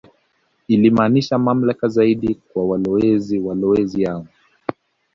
Ilimaanisha mamlaka zaidi kwa walowezi Walowezi hao